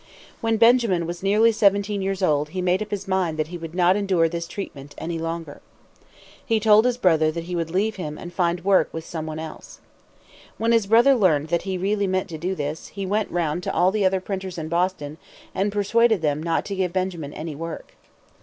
When Benjamin was nearly seventeen years old he made up his mind that he would not endure this treatment any longer. He told his brother that he would leave him and find work with some one else. When his brother learned that he really meant to do this, he went round to all the other printers in Boston and persuaded them not to give Benjamin any work.